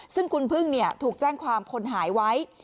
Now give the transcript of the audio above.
ซึ่งคุณพึ่งถูกแจ้งความคนหายไว้